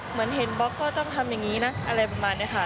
เหมือนเห็นบล็อกก็ต้องทำอย่างนี้นะอะไรประมาณนี้ค่ะ